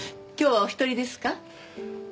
今日はお一人ですか？